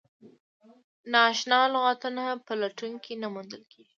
نا اشنا لغتونه په لټون کې نه موندل کیږي.